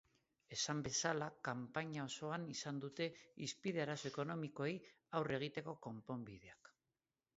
Esan bezala, kanpaina osoan izan dute hizpide arazo ekonomikoei aurre egiteko konponbideak.